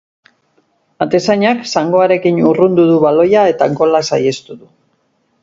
Atezainak zangoarekin urrundu du baloia eta gola saihestu du.